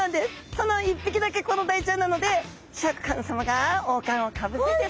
その１匹だけコロダイちゃんなのでシャーク香音さまが王冠をかぶせてさしあげてますね。